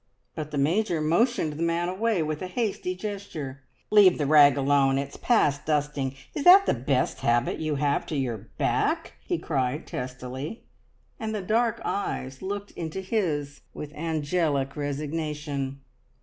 but the Major motioned the man away with a hasty gesture. "Leave the rag alone it's past dusting! Is that the best habit you have to your back?" he cried testily, and the dark eyes looked into his with angelic resignation.